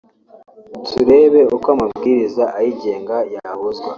turebe uko amabwiriza ayigenga yahuzwa